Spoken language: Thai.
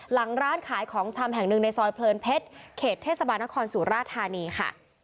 หลังร้านขายของชำแห่งหนึ่งในซอยเพลินเพชรเขตเทศบาลนครสุราธานีค่ะ